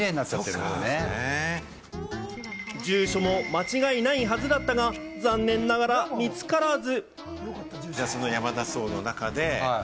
住所も間違いないはずだったが、残念ながら見つからず。